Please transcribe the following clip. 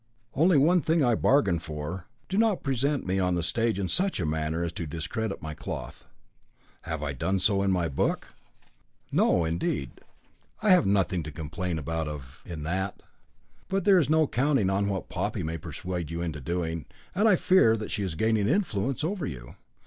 Only one thing I bargain for, do not present me on the stage in such a manner as to discredit my cloth." "Have I done so in my book?" "No, indeed, I have nothing to complain of in that. But there is no counting on what Poppy may persuade you into doing, and I fear that she is gaining influence over you.